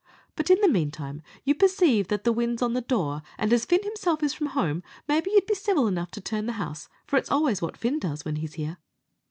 But, in the meantime, you perceive that the wind's on the door, and as Fin himself is from home, maybe you'd be civil enough to turn the house, for it's always what Fin does when he's here."